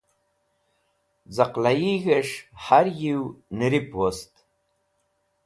Zaqlaig̃h es̃h har yiew Nirip Wost.